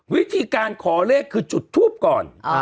วิธีการขอเลขคือจุดทูปก่อน